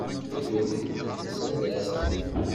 A ddunit ḥbes ad rseɣ.